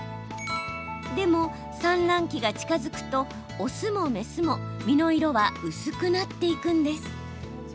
でも、産卵期が近づくと雄も雌も身の色は薄くなっていくんです。